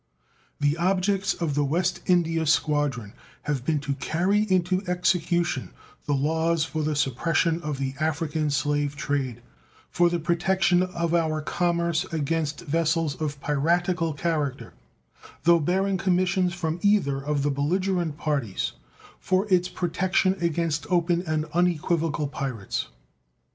The objects of the West India Squadron have been to carry into execution the laws for the suppression of the African slave trade; for the protection of our commerce against vessels of piratical character, though bearing commissions from either of the belligerent parties; for its protection against open and unequivocal pirates.